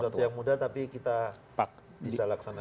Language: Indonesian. bukan shot yang mudah tapi kita bisa laksanakan